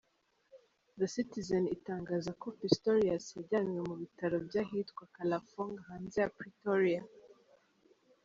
The Citizen itangaza ko Pistorius yajyanywe mu bitaro by’ahitwa Kalafong hanze ya Pretoria.